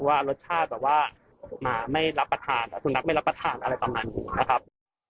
ว่ารสชาติแบบว่ามาไม่รับประทานส่วนนักไม่รับประทานอะไรต่างนะครับ